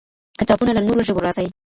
کتابونه له نورو ژبو راځي.